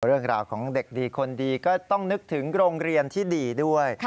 เรื่องราวของเด็กดีคนดีก็ต้องนึกถึงโรงเรียนที่ดีด้วย